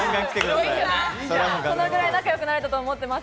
そのくらい仲良くなれたと思っています。